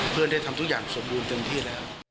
ได้ทำทุกอย่างสมบูรณ์เต็มที่แล้ว